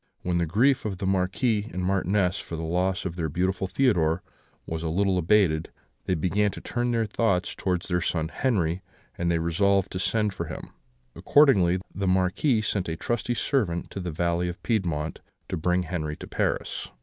When the grief of the Marquis and Marchioness for the loss of their beautiful Theodore was a little abated, they began to turn their thoughts towards their son Henri, and they resolved to send for him. Accordingly, the Marquis sent a trusty servant to the valley of Piedmont, to bring Henri to Paris.